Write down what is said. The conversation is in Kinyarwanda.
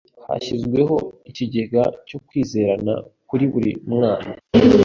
Hashyizweho ikigega cyo kwizerana kuri buri mwana.